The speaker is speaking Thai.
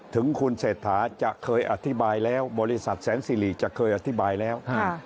ถึงคุณเศรษฐาจะเคยอธิบายแล้วบริษัทแสนสิริจะเคยอธิบายแล้ว